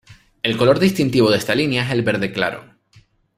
El color distintivo de esta línea es el verde claro.